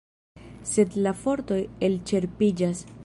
Sed la fortoj elĉerpiĝas.